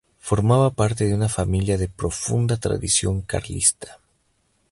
Formaba parte de una familia de profunda tradición carlista.